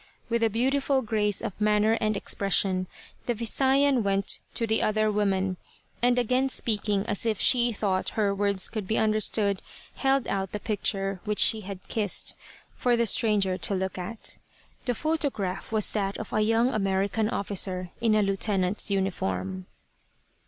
With a beautiful grace of manner and expression, the Visayan went to the other woman, and again speaking as if she thought her words could be understood, held out the picture which she had kissed, for the stranger to look at. The photograph was that of a young American officer, in a lieutenant's uniform.